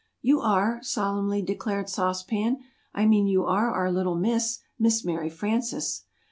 "You are!" solemnly declared Sauce Pan, "I mean you are our little 'Miss' Miss Mary Frances."